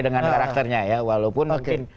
dengan karakternya ya walaupun mungkin